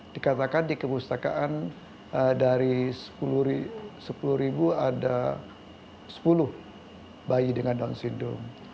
dikatakan di kepustakaan dari sepuluh ribu ada sepuluh bayi dengan down syndrome